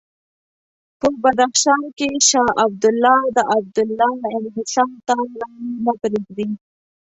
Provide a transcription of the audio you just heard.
په بدخشان کې شاه عبدالله د عبدالله انحصار ته رایې نه پرېږدي.